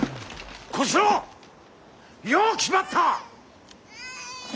小四郎よう気張った！